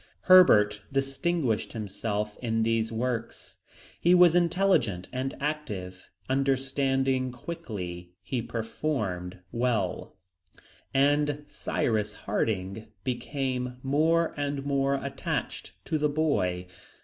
Herbert distinguished himself in these works. He was intelligent and active; understanding quickly, he performed well; and Cyrus Harding became more and more attached to the boy.